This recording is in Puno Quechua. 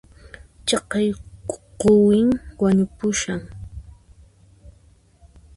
Chaqay quwin wañupushan